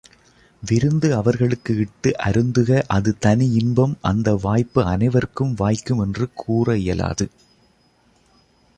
விருந்து அவர்களுக்கு இட்டு அருந்துக அது தனி இன்பம் அந்த வாய்ப்பு அனைவர்க்கும் வாய்க்கும் என்று கூற இயலாது.